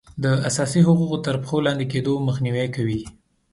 د اساسي حقوقو تر پښو لاندې کیدو مخنیوی کوي.